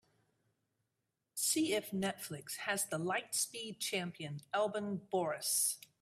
See if Netflix has the Lightspeed Champion album boris